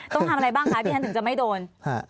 ต้องทำอะไรบ้างคะที่ฉันถึงจะไม่โดน